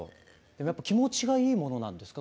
やっぱ気持ちがいいものなんですか？